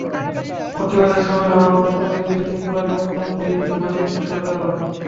প্রতিবাদে শামিল হন আমাদের প্রতিবেশী ত্রিপুরার মুখ্যমন্ত্রী মানিক সরকারও।